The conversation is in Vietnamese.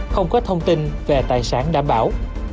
không có thông tin về tài sản đảm bảo